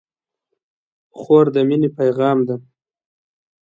خور د مینې پیغام ده.